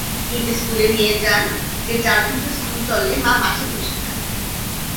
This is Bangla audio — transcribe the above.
নিজে স্কুলে নিয়ে যান, যে-চারঘণ্টা স্কুল চলে মা মাঠে বসে থাকেন।